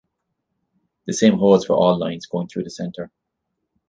The same holds for all lines going through the center.